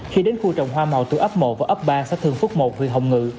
khi đến khu trồng hoa màu từ ấp một và ấp ba xã thường phúc một huyện hồng ngự